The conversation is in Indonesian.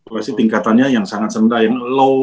pasti tingkatannya yang sangat sederhana yang low